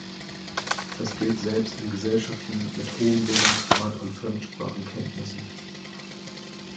Das gilt selbst in Gesellschaften mit hohem Bildungsgrad und Fremdsprachenkenntnissen.